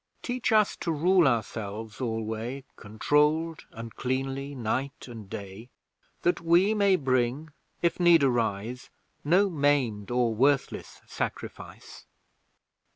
Teach us to rule ourselves alway, Controlled and cleanly night and day; That we may bring, if need arise, No maimed or worthless sacrifice.